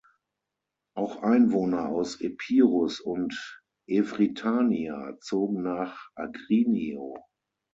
Auch Einwohner aus Epirus und Evrytania zogen nach Agrinio.